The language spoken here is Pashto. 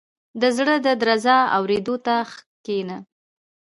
• د زړه د درزا اورېدو ته کښېنه.